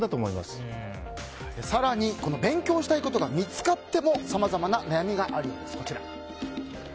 更に勉強したいことが見つかってもさまざまな悩みがあるんです。